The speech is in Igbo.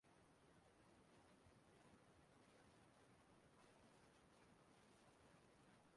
n'ihi mgbanwè e nwegoro n'ọtụtụ ihe dị iche iche.